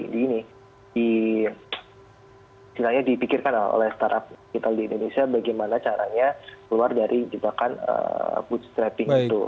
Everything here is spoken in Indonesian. sebenarnya dipikirkan oleh startup digital di indonesia bagaimana caranya keluar dari jebakan bootstrapping itu